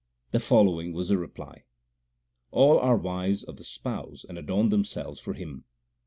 The following was the reply : All are wives of the Spouse and adorn themselves for Him.